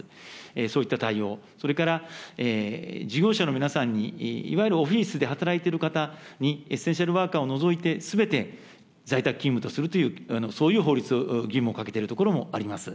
そういった対応、それから事業者の皆さんに、いわゆるオフィスで働いている方に、エッセンシャルワーカーを除いて、すべて在宅勤務とするという、そういう法律、義務をかけている所もあります。